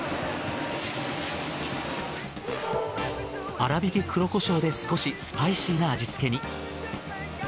粗挽き黒コショウで少しスパイシーな味付けに。